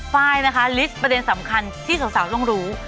ไฟล์นะคะลิสต์ประเด็นสำคัญที่สาวต้องรู้